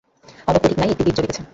আলোক অধিক নাই, একটি দীপ জ্বলিতেছে।